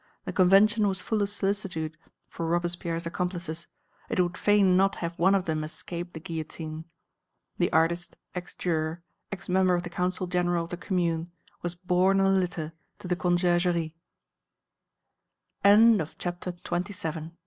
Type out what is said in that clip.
The Convention was full of solicitude for Robespierre's accomplices; it would fain not have one of them escape the guillotine. The artist, ex juror, ex member of the Council General of the Commune, was borne on a litter to the Conciergerie. XXVII